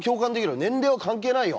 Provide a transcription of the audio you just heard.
年齢は関係ないよ。